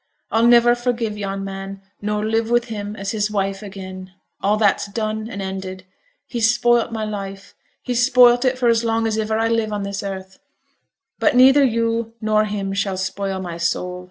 I'll never forgive yon man, nor live with him as his wife again. All that's done and ended. He's spoilt my life, he's spoilt it for as long as iver I live on this earth; but neither yo' nor him shall spoil my soul.